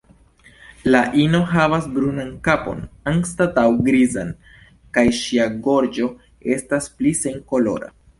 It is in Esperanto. La ino havas brunan kapon anstataŭ grizan, kaj ŝia gorĝo estas pli senkolora.